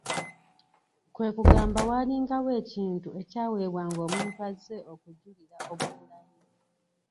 Kwe kugamba waalingawo ekintu ekyaweebwanga omuntu azze okujulira obugulanyi.